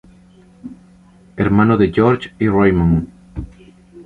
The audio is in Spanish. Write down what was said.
Hermano de George y Raymond.